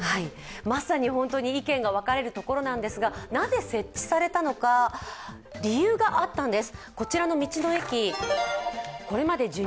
まさに意見が分かれるところなんですがなぜ設置されたのか、理由があったんです。